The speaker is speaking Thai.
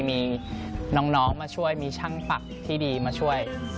มีน้องมาช่วยมีช่างฝักที่ดีมาช่วย